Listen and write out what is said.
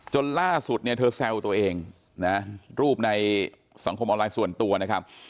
จนล่าสุดเนี่ยเธอแซวตัวเองนะรูปในสังคมออนไลน์ส่วนตัวนะครับ